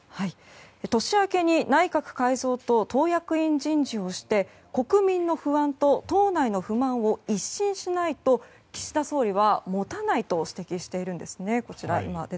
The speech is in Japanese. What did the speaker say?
年明けに内閣改造と党役員人事をして国民の不安と党内の不満を一新しないと岸田総理は持たないと指摘しているんですね。